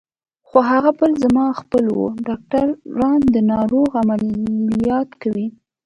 خو هغه بل زما خپل و، ډاکټران د ناروغ عملیات کوي.